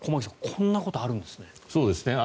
こんなことあるんですね。